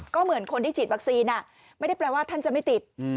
ก็เหมือนคนที่ฉีดวัคซีนไม่ได้แปลว่าท่านจะไม่ติด